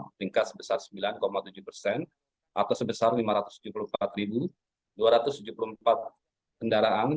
meningkat sebesar sembilan tujuh persen atau sebesar lima ratus tujuh puluh empat dua ratus tujuh puluh empat kendaraan